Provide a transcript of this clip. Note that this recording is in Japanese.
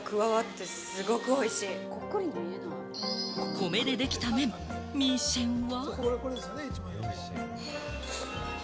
米でできた麺、ミーシェンは。